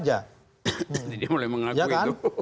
jadi dia mulai mengaku itu